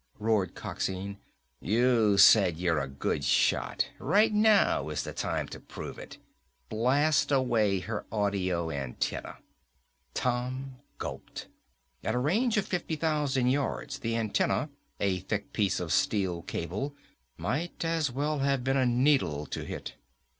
roared Coxine. "You said you're a good shot. Right now is the time to prove it. Blast away her audio antenna!" Tom gulped. At a range of fifty thousand yards, the antenna, a thick piece of steel cable, might as well have been a needle to hit.